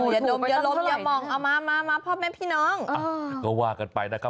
อย่าดมอย่าลมอย่ามองเอามามาพ่อแม่พี่น้องก็ว่ากันไปนะครับ